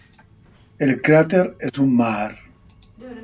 El cráter es un maar.